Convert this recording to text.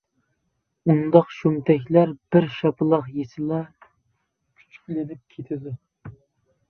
ئۇنداق شۇمتەكلەر بىر شاپىلاق يېسىلا كۈچۈكلىنىپ كېتىدۇ.